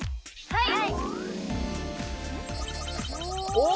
はい。